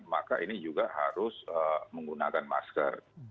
maka ini juga harus menggunakan masker